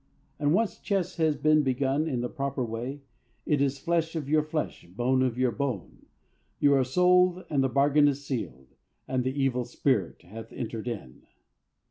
And once chess has been begun in the proper way, it is flesh of your flesh, bone of your bone; you are sold, and the bargain is sealed, and the evil spirit hath entered in.